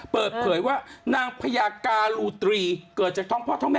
เปิดเผยว่านางพญาการูตรีเกิดจากท้องพ่อท้องแม่